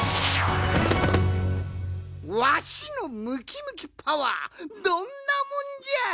わしのムキムキパワーどんなもんじゃい！